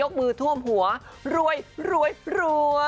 คือท่วมหัวรวยรวยรวย